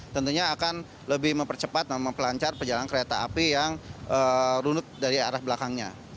tentunya akan lebih mempercepat dan mempelancar perjalanan kereta api yang runut dari arah belakangnya